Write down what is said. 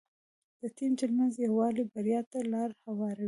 د ټيم ترمنځ یووالی بریا ته لاره هواروي.